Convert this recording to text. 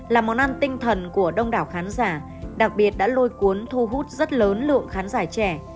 là món ăn tinh thần của đông đảo khán giả đặc biệt đã lôi cuốn thu hút rất lớn lượng khán giả trẻ